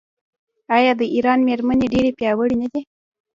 آیا د ایران میرمنې ډیرې پیاوړې نه دي؟